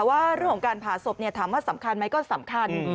แต่ว่าเรื่องของการผ่าศพถามว่าสำคัญไหมก็สำคัญ